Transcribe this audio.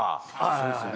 そうですよね。